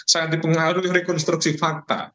sangat dipengaruhi rekonstruksi fakta